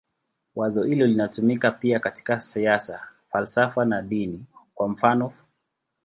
Wazo hilo linatumika pia katika siasa, falsafa na dini, kwa mfanof.